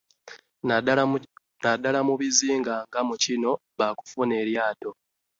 Naddala mu bizinga nga mu kino baakufuna eryato.